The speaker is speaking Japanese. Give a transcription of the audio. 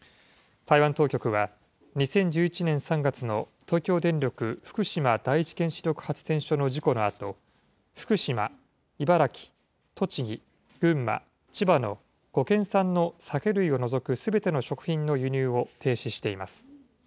台湾当局は、２０１１年３月の東京電力福島第一原子力発電所の事故のあと、福島、茨城、栃木、群馬、千葉の５県産の酒類を除くすべての食品の輸入を停止しています。